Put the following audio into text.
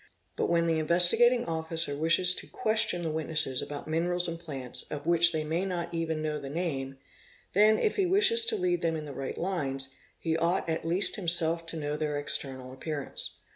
But when the Investigating Officer wishes to question the witnesses about mineral: and plants of which they may not even. know the name, then, if h wishes to lead them in the right lines, he ought at least himself to kno their external appearance.